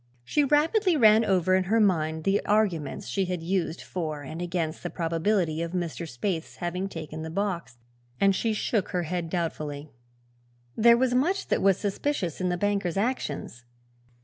She rapidly ran over in her mind the arguments she had used for and against the probability of Mr. Spaythe's having taken the box, and shook her head doubtfully. There was much that was suspicious in the banker's actions.